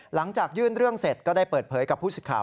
หลังจากยื่นเรื่องเสร็จก็ได้เปิดเผยกับผู้สิทธิ์ข่าว